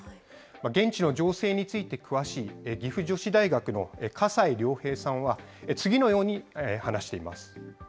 現地の情勢について詳しい岐阜女子大学の笠井亮平さんは、次のように話しています。